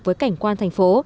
với cảnh quan thành phố